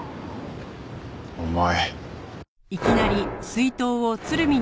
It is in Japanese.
お前。